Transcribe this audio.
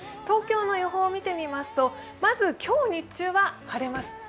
東京の予報を見てみますとまず今日日中は晴れます。